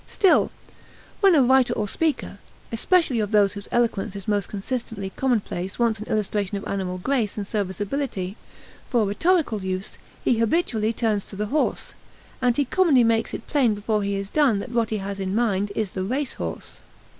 Still, when a writer or speaker especially of those whose eloquence is most consistently commonplace wants an illustration of animal grace and serviceability, for rhetorical use, he habitually turns to the horse; and he commonly makes it plain before he is done that what he has in mind is the race horse.